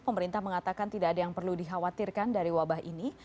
pemerintah mengatakan tidak ada yang perlu dikhawatirkan dari wabah ini